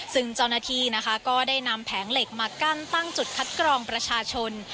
ซึ่งเจ้าหน้าที่นะคะก็ได้นำแผงเหล็กมากั้นตั้งจุดคัดกรองประชาชน